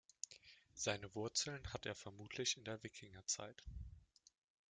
Seine Wurzeln hat er vermutlich in der Wikingerzeit.